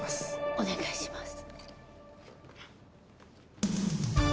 お願いします。